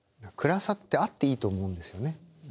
暗さってあっていいと思うんですよね。